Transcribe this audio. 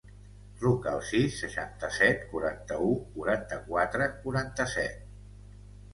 Truca al sis, seixanta-set, quaranta-u, quaranta-quatre, quaranta-set.